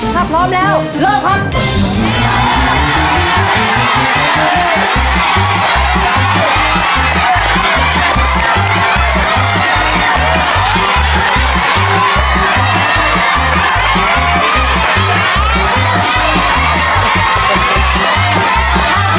ถ้าพร้อมแล้วเริ่มครับ